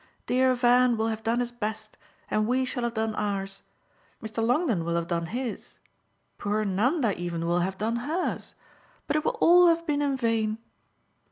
Dear Van will have done his best, and we shall have done ours. Mr. Longdon will have done his poor Nanda even will have done hers. But it will all have been in vain.